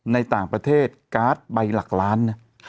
ในต่างประเทศการ์ดใบหลักล้านเนี่ย